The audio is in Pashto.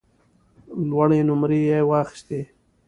لوړې نمرې یې واخیستې.